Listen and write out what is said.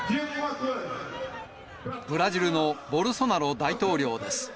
ブラジルのボルソナロ大統領です。